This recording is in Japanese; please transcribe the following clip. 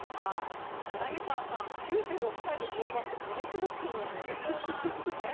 柳澤さん９６歳で乗馬ってギネスブックに載りそうな。